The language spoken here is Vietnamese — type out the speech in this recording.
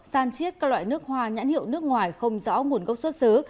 san chiết các loại nước hoa nhãn hiệu nước ngoài không rõ nguồn gốc xuất xứ